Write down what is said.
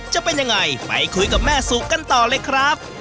จะเป็นยังไงไปคุยกับแม่สุกันต่อเลยครับ